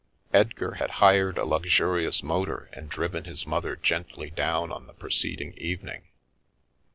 Edgar had hired a luxurious motor and driven his mother gently down on the preceding evening.